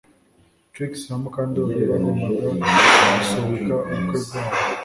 Trix na Mukandoli bagombaga gusubika ubukwe bwabo